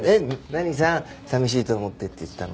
「何さん寂しいと思って」って言ったの？